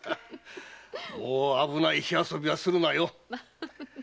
もう危ない火遊びはするなよ。